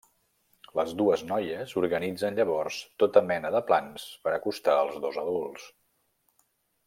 Les dues noies organitzen llavors tota mena de plans per acostar els dos adults.